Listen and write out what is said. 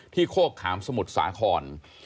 โคกขามสมุทรสาคร